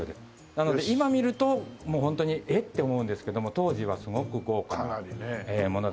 なので今見るともうホントに「えっ？」って思うんですけども当時はすごく豪華なものだったようでございます。